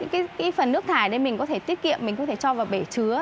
cái phần nước thải đấy mình có thể tiết kiệm mình có thể cho vào bể chứa